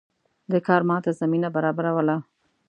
دا کار ماته زمینه برابروله.